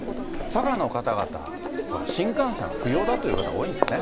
佐賀の方々は新幹線は不要だという方、多いんですね。